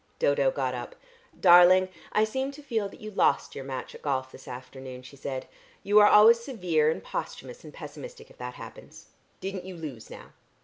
Dodo got up. "Darling, I seem to feel that you lost your match at golf this afternoon," she said. "You are always severe and posthumous and pessimistic if that happens. Didn't you lose, now?"